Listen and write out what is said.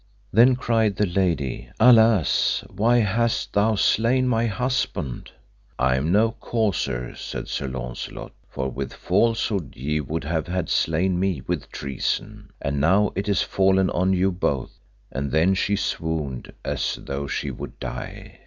Then cried the lady, Alas! why hast thou slain my husband? I am not causer, said Sir Launcelot, for with falsehood ye would have had slain me with treason, and now it is fallen on you both. And then she swooned as though she would die.